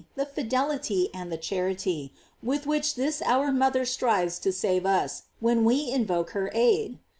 75 the fidelity, and the charity with which this our mother strives to save us, when we invoke her aid?